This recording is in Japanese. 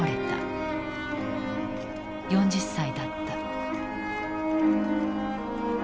４０歳だった。